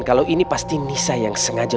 kalau ini pasti nisa yang sengaja